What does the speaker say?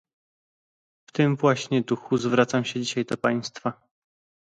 W tym właśnie duchu zwracam się dzisiaj do Państwa